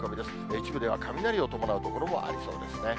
一部では雷を伴う所もありそうですね。